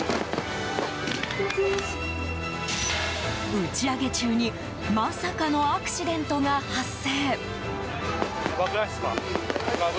打ち上げ中にまさかのアクシデントが発生。